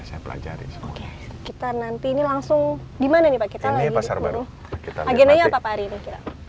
saya pelajari kita nanti ini langsung dimana kita ini pasar baru kita agennya apa hari ini